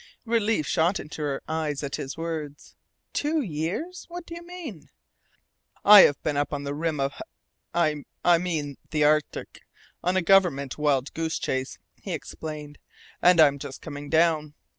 Relief shot into her eyes at his words. "Two years? What do you mean?" "I've been up along the rim of h I mean the Arctic, on a government wild goose chase," he explained. "And I'm just coming down."